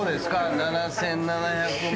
７，７００万